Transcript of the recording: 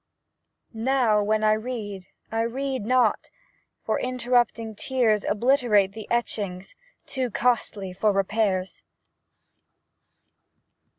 Now, when I read, I read not, For interrupting tears Obliterate the etchings Too costly for repairs.